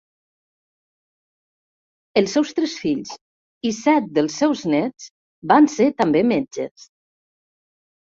Els seus tres fills i set dels seus néts van ser també metges.